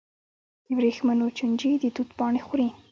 د ورېښمو چینجي د توت پاڼې خوري.